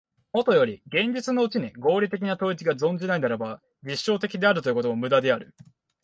もとより現実のうちに合理的な統一が存しないならば、実証的であるということも無駄である。